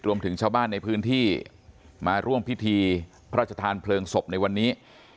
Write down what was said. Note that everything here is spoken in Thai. รวมถึงชาวบ้านในพื้นที่มาร่วมพิธีพระราชทานเพลิงศพในวันนี้